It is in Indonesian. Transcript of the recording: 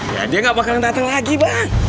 ya dia gak bakalan datang lagi bang